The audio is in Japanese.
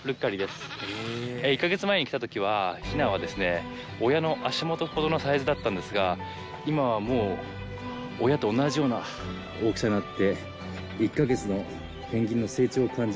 １カ月前に来た時はヒナはですね親の足元ほどのサイズだったんですが今はもう親と同じような大きさになって。